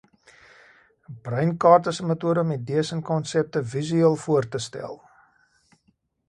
ŉ Breinkaart is ŉ metode om idees en konsepte visueel voor te stel.